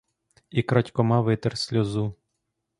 І крадькома витер сльозу.